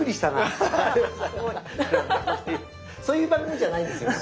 そういう番組じゃないんですよ。